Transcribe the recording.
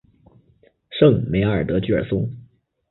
圣梅阿尔德居尔松。